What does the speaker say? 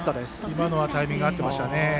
今のはタイミングが合っていましたね。